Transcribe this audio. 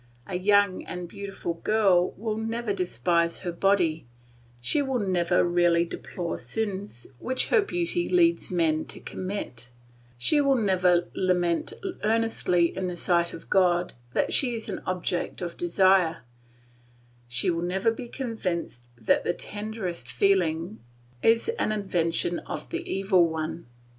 A young and beautiful girl will never despise her body, she will never really deplore sins which her beauty leads men to commit, she will never lament earnestly in the sight of God that she is an object of desire, she will never be convinced that the tenderest feeling is an invention of the Evil One.